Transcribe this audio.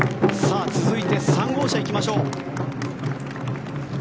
続いて４号車行きましょう。